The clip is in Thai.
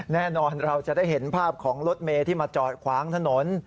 แน่นอนเราจะได้เห็นภาพของรถเมย์ที่มาจอดขวางถนน